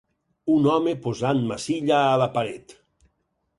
Un home posant massilla a la paret.